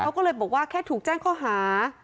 เขาก็เลยบอกว่าแค่ถูกแจ้งข้อหา